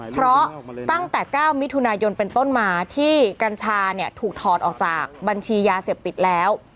เพราะตั้งแต่๙มิถุนายนเป็นต้นมาที่กัญชาเนี่ยถูกถอดออกจากบัญชียาเสพติดแล้ว